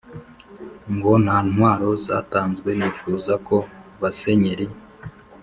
ngo nta ntwaro zatanzwe, nifuza ko basenyeri